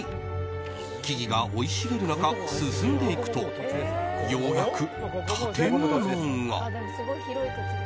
木々が生い茂る中、進んでいくとようやく建物が。